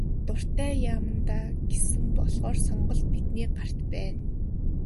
Дуртай яамандаа гэсэн болохоор сонголт бидний гарт байна.